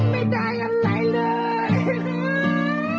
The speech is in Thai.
ไม่ได้อะไรเลย